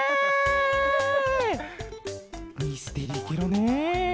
ミステリーケロね！